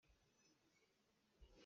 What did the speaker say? Ka pi nih aalu a nawn.